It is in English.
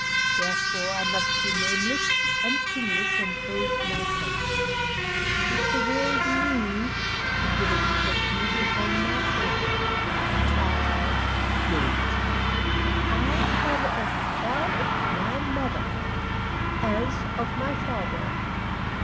Therefore I must be nameless and kinless and hold my tongue. If the world knew, it would expect me to hang my head. I don't! I am as proud of my mother as of my father.